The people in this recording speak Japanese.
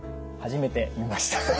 初めて見ました。